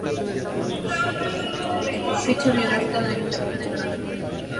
Ficha biográfica del ayuntamiento de Gerona